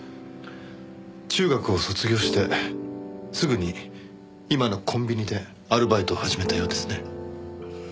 中学を卒業してすぐに今のコンビニでアルバイトを始めたようですね。